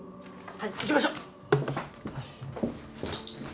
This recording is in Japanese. はい。